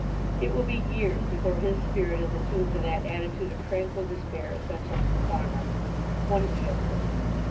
It will be years before his spirit is attuned to that attitude of tranquil despair essential to the farmer: one feels it.